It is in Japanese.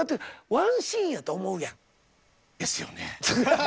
ワンシーンやと思うやん。ですよね。